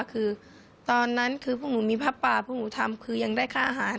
คือตอนนั้นคือพวกหนูมีผ้าป่าพวกหนูทำคือยังได้ค่าอาหาร